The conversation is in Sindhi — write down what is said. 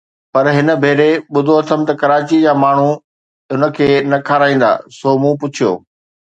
پر هن ڀيري ٻڌو اٿم ته ڪراچيءَ جا ماڻهو هن کي نه کارائيندا، سو مون پڇيو